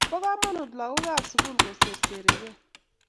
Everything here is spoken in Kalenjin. bo kamanuut lagookab sugul koserserigee